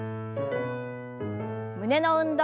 胸の運動。